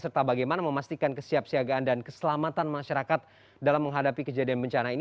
serta bagaimana memastikan kesiapsiagaan dan keselamatan masyarakat dalam menghadapi kejadian bencana ini